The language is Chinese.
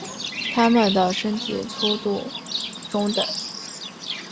它们的身体粗度中等。